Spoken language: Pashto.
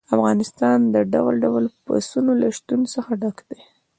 افغانستان د ډول ډول پسونو له شتون څخه ډک دی.